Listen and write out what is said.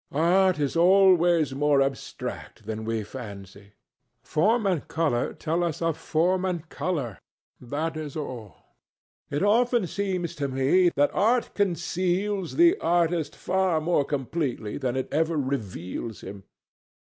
Art is always more abstract than we fancy. Form and colour tell us of form and colour—that is all. It often seems to me that art conceals the artist far more completely than it ever reveals him.